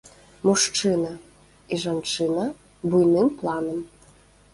Мужчына і жанчына буйным планам.